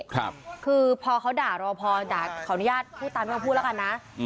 ครับคือพอเขาด่ารอพอแต่ขออนุญาตพูดตามเขาพูดแล้วกันนะอืม